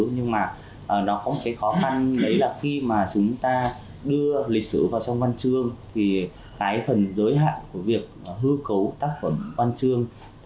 nhưng mà nó có một cái khó khăn đấy là khi mà chúng ta đưa lịch sử vào trong văn chương thì cái phần giới hạn của việc hư cấu tác phẩm văn chương